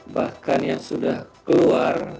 bahkan yang sudah keluar